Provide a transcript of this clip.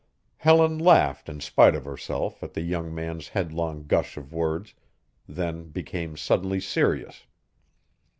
Helen laughed in spite of herself at the young man's headlong gush of words, then became suddenly serious.